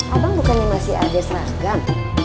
abang bukannya masih ada seragam